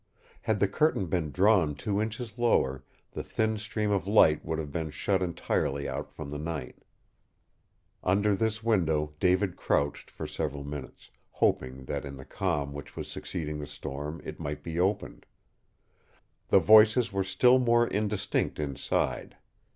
Had the curtain been drawn two inches lower, the thin stream of light would have been shut entirely out from the night. Under this window David crouched for several minutes, hoping that in the calm which was succeeding the storm it might be opened. The voices were still more indistinct inside.